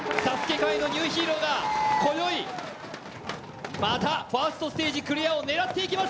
界のニューヒーローがこよい、またファーストステージクリアを狙っていきます。